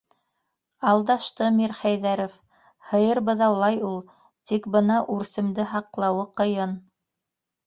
- Алдашты Мирхәйҙәров: һыйыр быҙаулай ул, тик бына... үрсемде һаҡлауы ҡыйын!